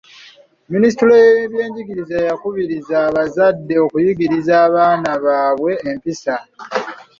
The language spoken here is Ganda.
Minisitule y'ebyenjigiriza yakubiriza abazadde okuyigiriza abaana baabwe empisa.